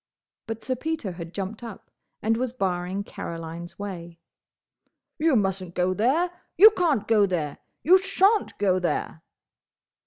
But Sir Peter had jumped up, and was barring Caroline's way. "You mustn't go there!—You can't go there!—You shan't go there!"